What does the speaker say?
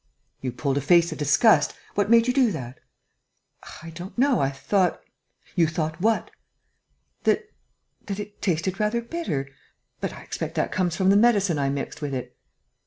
"You pulled a face of disgust ... what made you do that?" "I don't know ... I thought...." "You thought what?" "That ... that it tasted rather bitter.... But I expect that comes from the medicine I mixed with it."